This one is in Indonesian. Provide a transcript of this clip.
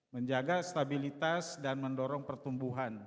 menjaga stabilitas dan mendorong pertumbuhan